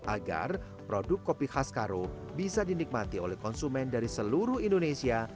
agar produk kopi khas karo bisa dinikmati oleh konsumen dari seluruh indonesia